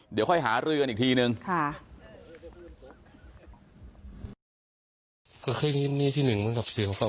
เดี๋ยวค่อยหารื่อไม่ตรงอีกทีหนึ่งก็แค่มีที่หนึ่งแหละ